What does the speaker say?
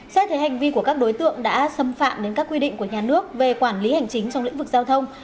xét thấy hành vi của các đối tượng đã xâm phạm đến các quy định của nhà nước về quản lý hành chính trong lĩnh vực giao thông